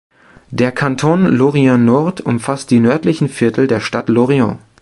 Der Kanton Lorient-Nord umfasste die nördlichen Viertel der Stadt Lorient.